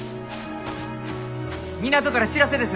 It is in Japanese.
港から知らせです！